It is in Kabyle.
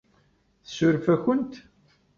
Tsuref-akent?